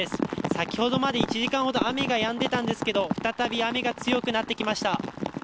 先ほどまで１時間ほど雨がやんでいたんですけれども再び雨が強くなってきました。